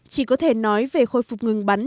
chỉ có thể nói về khôi phục ngừng bắn